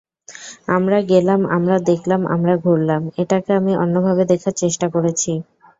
আমরা গেলাম, আমরা দেখলাম, আমরা ঘুরলাম—এটাকে আমি অন্যভাবে দেখার চেষ্টা করেছি।